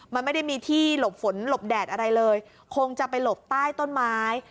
มันไม่ได้มีที่หลบฝนหลบแดดอะไรเลยคงจะไปหลบใต้ต้นไม้